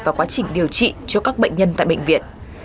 và quá trình điều trị cho các bệnh nhân tại bệnh viện